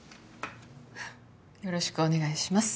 よろしくお願いします